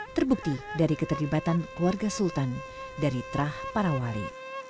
terbukti dari keterlibatan keluarga sultan dari terah para wali